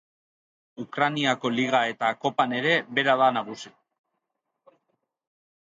Ukrainako Liga eta Kopan ere bera da nagusi.